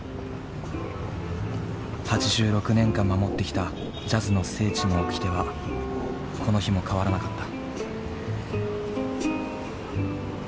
８６年間守ってきたジャズの聖地のおきてはこの日も変わらなかった。